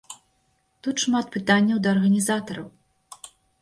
Тут шмат пытанняў да арганізатараў.